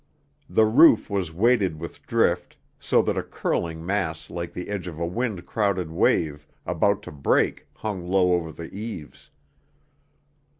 The roof was weighted with drift, so that a curling mass like the edge of a wind crowded wave about to break hung low over the eaves.